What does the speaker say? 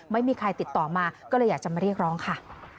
ไม่มีใครติดต่อมาก็เลยอยากจะมาเรียกร้องค่ะ